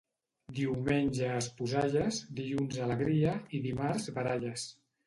Diumenge esposalles, dilluns alegria i dimarts baralles.